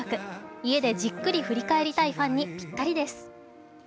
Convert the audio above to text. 家でじっくり振り返りたいファンにぴったりです。